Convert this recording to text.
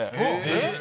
えっ！